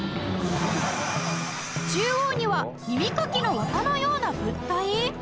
中央には耳かきの綿のような物体？